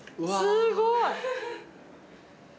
すごい。